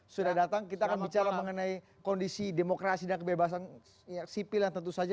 sudah datang kita akan bicara mengenai kondisi demokrasi dan kebebasan sipil yang tentu saja